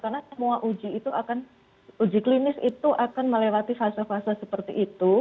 karena semua uji klinis itu akan melewati fase fase seperti itu